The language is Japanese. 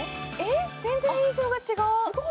全然印象が違う。